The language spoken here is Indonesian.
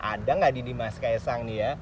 ada nggak di mas ksang nih ya